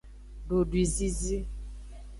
Dodwizizi.